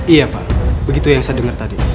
iya pak begitu yang saya dengar tadi